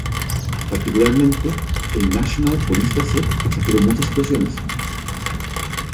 Particularmente, el "National Police Gazette" exageró muchas situaciones.